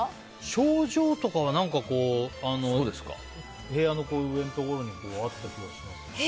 賞状とかは部屋の上のところにあった気がしますね。